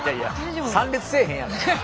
参列せえへんやろ。